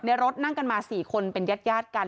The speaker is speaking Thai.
รถนั่งกันมา๔คนเป็นญาติกัน